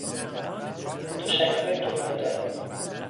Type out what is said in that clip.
تشکهای تکمهدار